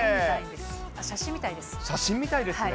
写真みたいですね。